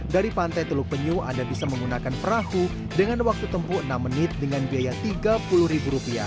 dari pantai teluk penyu anda bisa menggunakan perahu dengan waktu tempuh enam menit dengan biaya rp tiga puluh